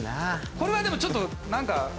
これはでもちょっとなんか。